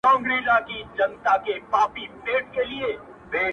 چي لاد هغې بيوفا پر كلي شپـه تېــروم!!